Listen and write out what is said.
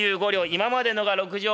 今までのが六両。